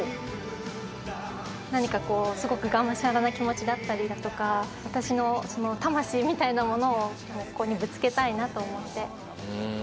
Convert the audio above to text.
何かこうすごくがむしゃらな気持ちだったりだとか私の魂みたいなものをここにぶつけたいなと思って。